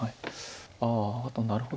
ああなるほど。